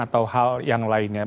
atau hal yang lain